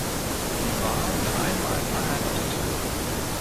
Sie war dreimal verheiratet.